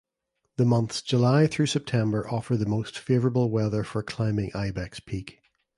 The months July through September offer the most favorable weather for climbing Ibex Peak.